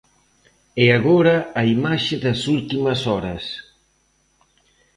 E agora a imaxe das últimas horas.